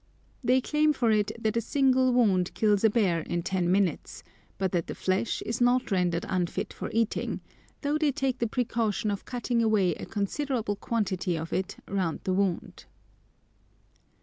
They claim for it that a single wound kills a bear in ten minutes, but that the flesh is not rendered unfit for eating, though they take the precaution of cutting away a considerable quantity of it round the wound.